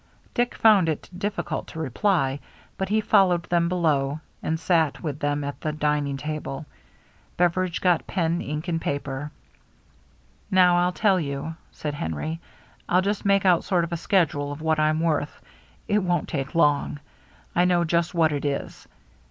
Dick found it difficult to reply, but he fol lowed them below, and sat with them at the dining table. Beveridge got pen, ink, and paper. . "Now, rU tell you," said Henry. "Til just make out sort of a schedule of what I'm worth. It won't take long. I know just what it is.